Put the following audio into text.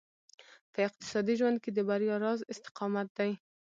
په اقتصادي ژوند کې د بريا راز استقامت دی.